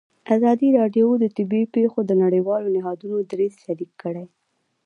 ازادي راډیو د طبیعي پېښې د نړیوالو نهادونو دریځ شریک کړی.